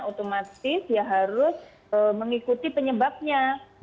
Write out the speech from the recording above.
otomatis ya harus mengikuti penyebabnya